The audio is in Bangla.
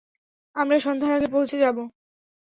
আমরা সন্ধ্যার আগে পৌঁছে যাব।